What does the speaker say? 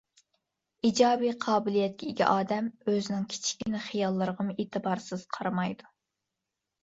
ئىجادىي قابىلىيەتكە ئىگە ئادەم ئۆزىنىڭ كىچىككىنە خىياللىرىغىمۇ ئېتىبارسىز قارىمايدۇ.